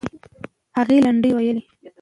هغې لنډۍ وویلې.